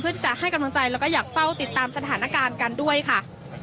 จะให้กำลังใจแล้วก็อยากเฝ้าติดตามสถานการณ์กันด้วยค่ะ